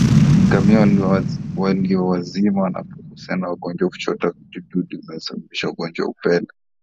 Ngamia waliowazima wanapogusana na wagonjwa huchota vijidudu vinavyosababisha ugonjwa wa upele